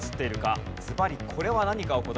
ずばりこれは何かお答えください。